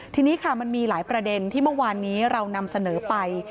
ทีนี้ค่ะมันมีหลายประเด็นที่เมื่อวานนี้เรานำเสนอไป